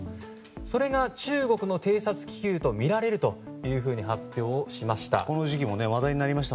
それが中国の偵察気球とみられると発表しました。